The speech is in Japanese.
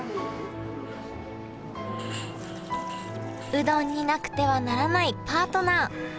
うどんになくてはならないパートナー。